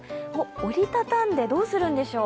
折りたたんでどうするんでしょう？